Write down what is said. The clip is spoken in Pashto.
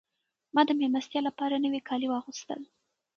ما د مېلمستیا لپاره نوي کالي واغوستل.